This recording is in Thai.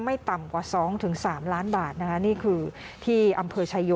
ไม่ต่ำกว่า๒๓ล้านบาทนะคะนี่คือที่อำเภอชายโย